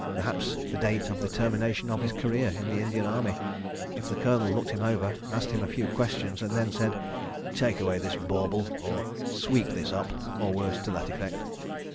Perhaps the date of the termination of his career in the Indian Army—if the Colonel looked him over, asked him a few questions, and then said: "Take away this bauble!" or "Sweep this up!" or words to that effect.